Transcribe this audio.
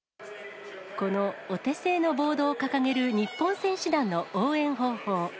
このお手製のボードを掲げる日本選手団の応援方法。